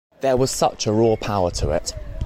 There was such a raw power to it.